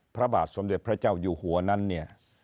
พระบาทสมเด็จพระเจ้าอยู่หัวนั้นเนี่ย